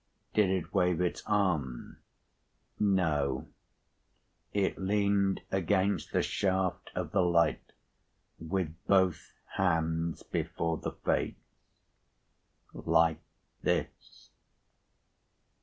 "Did it wave its arm?" "No. It leaned against the shaft of the light, with both hands before the face. Like this."